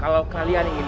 kalau kalian ingin